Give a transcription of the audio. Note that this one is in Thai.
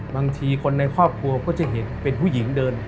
บางทีคนในครอบครัวก็จะเห็นเป็นผู้หญิงเดิน